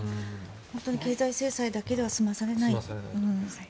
本当に経済制裁だけでは済まされない。